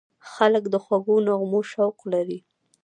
خلک د خوږو نغمو شوق لري.